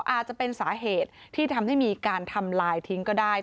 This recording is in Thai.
อาจจะเป็นสาเหตุที่ทำให้มีการทำลายทิ้งก็ได้